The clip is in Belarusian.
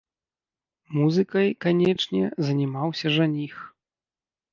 Музыкай, канечне, займаўся жаніх.